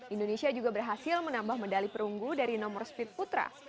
indonesia juga berhasil menambah medali perunggu dari nomor speed putra